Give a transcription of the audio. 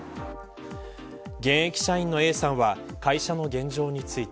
現役社員のＡさんは会社の現状について。